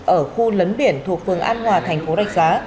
ở khu lấn biển thuộc phường an hòa tp đạch giá